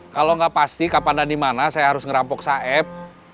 kalau gak pasti kapan dan dimana saya harus ngerampok saeb